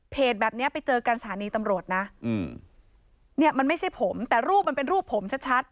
แบบเนี้ยไปเจอกันสถานีตำรวจนะอืมเนี่ยมันไม่ใช่ผมแต่รูปมันเป็นรูปผมชัดชัด